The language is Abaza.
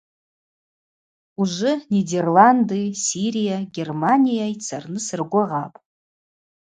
Ужвы Нидерланды, Сирия, Германия йцарныс ргвыгъапӏ.